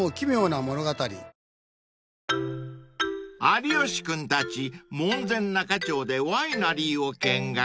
［有吉君たち門前仲町でワイナリーを見学］